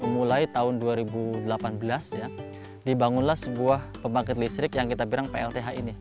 mulai tahun dua ribu delapan belas dibangunlah sebuah pembangkit listrik yang kita bilang plth ini